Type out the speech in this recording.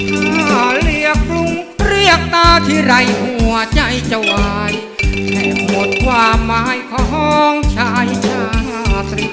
ถ้าเรียกลุงเรียกตาที่ไร้หัวใจจะวายแค่หมดว่ามายของชายชาติ